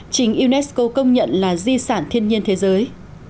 chính unesco công nhận là di sản thiên nhiên thế giới